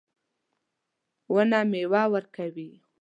ونه میوه ورکوي